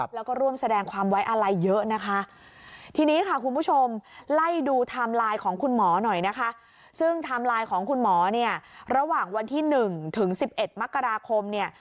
แล้วก็ร่วมแสดงความไว้อะไรเยอะนะคะทีนี้ค่ะคุณผู้ชมไล่ดูไทม์ไลน์ของคุณหมอหน่อยนะคะซึ่งไทม์ไลน์ของคุณหมอเนี่ยระหว่างวันที่๑ถึง๑๑มกราคมเนี่ย